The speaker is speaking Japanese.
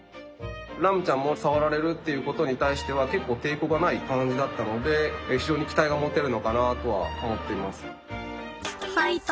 ラムちゃんも触られるっていうことに対しては結構抵抗がない感じだったので非常に期待が持てるのかなとは思っています。